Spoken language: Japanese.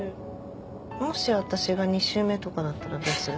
もし私が２周目とかだったらどうする？